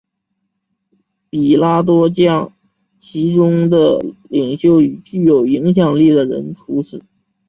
彼拉多将其中的领袖与具有影响力的人处死。